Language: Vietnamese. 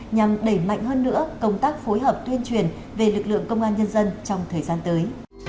nhằm đẩy mạnh hơn nữa công tác phối hợp tuyên truyền về lực lượng công an nhân dân trong thời gian tới